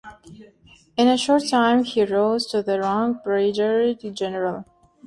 In a short time he rose to the rank of brigadier general.